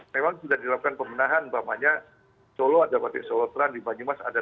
memang sudah dilakukan pembenahan bahwanya solo ada pak bik solo teran di banyumas ada